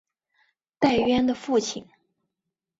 戴渊的父亲。